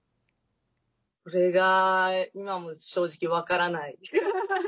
それが今も正直分からないです。